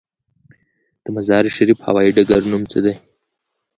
د مزار شریف هوايي ډګر نوم څه دی؟